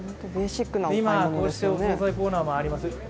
今、ここお惣菜コーナーもあります。